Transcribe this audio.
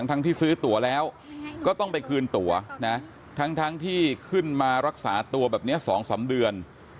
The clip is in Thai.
ทั้งที่ซื้อตัวแล้วก็ต้องไปคืนตัวนะทั้งที่ขึ้นมารักษาตัวแบบนี้๒๓เดือน